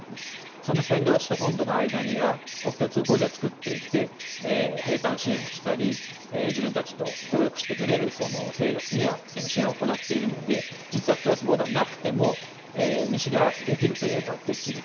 その占領地との間には国境通行所を作っていて支援をしたり自分たちと協力してくれる勢力には支援を行っているので実は、クロスボーダーがなくても西側はできるといえばできると。